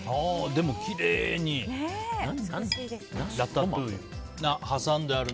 でも、きれいにね。